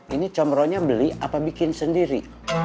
ini comrohnya beli apa bikin sendiri